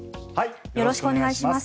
よろしくお願いします。